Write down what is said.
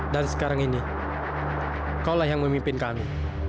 dan sekarang ini kau lah yang memimpin kami